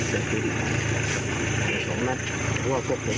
พระเจ้ามาเกียจจาก๒ทุ่มเนี่ยเขาได้ยืนเสียทุกอีกครั้ง